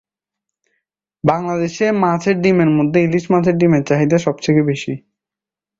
বাংলাদেশে মাছের ডিমের মধ্যে ইলিশ মাছের ডিমের চাহিদা সব থেকে বেশি।